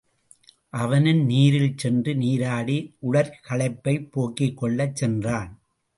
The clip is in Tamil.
அவனும் நீரில் சென்று நீராடி உடற்களைப்பைப் போக்கிக் கொள்ளச் சென்றான்.